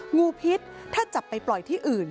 งูพิษถ้าจับไปปล่อยที่อื่น